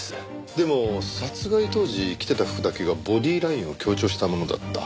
でも殺害当時着てた服だけがボディーラインを強調したものだった。